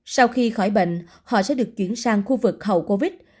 sau khi khỏi bệnh họ sẽ được chuyển sang khu vực hậu covid